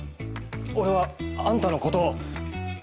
俺はあんたの事。